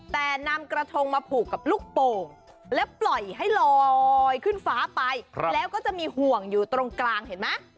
แต่นำกระทงมาผูกกับลูกโป่งและปล่อยให้ลอยขึ้นฟ้าไปแล้วก็จะมีห่วงอยู่ตรงกลางเห็นไหม